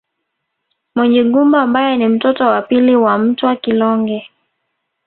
Munyigumba ambaye ni mtoto wa pili wa Mtwa Kilonge